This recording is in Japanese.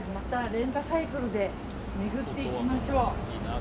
レンタサイクルで巡っていきましょう。